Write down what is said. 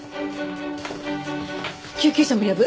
救急車も呼ぶ。